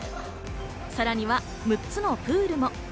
さらには６つのプールも。